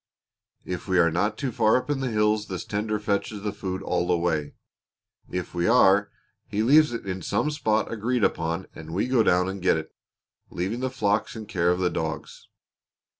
If we are not too far up in the hills this tender fetches the food all the way; if we are, he leaves it in some spot agreed upon and we go down and get it, leaving the flocks in care of the dogs.